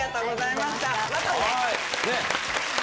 またね！